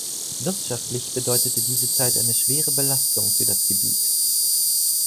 Wirtschaftlich bedeutete diese Zeit eine schwere Belastung für das Gebiet.